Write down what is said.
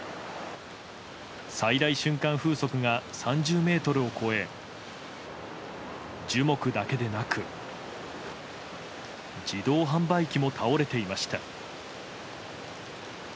最大瞬間風速が３０メートルを超え樹木だけでなく自動販売機も倒れていました。